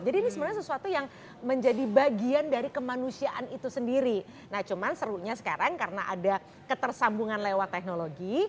ini sebenarnya sesuatu yang menjadi bagian dari kemanusiaan itu sendiri nah cuman serunya sekarang karena ada ketersambungan lewat teknologi